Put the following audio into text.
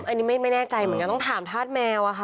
อันนี้ไม่แน่ใจเหมือนกันต้องถามธาตุแมวอะค่ะ